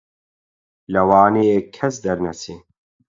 لەوانەیە کەس دەرنەچێ